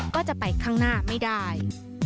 ก็จะไปข้างหน้าไม่ได้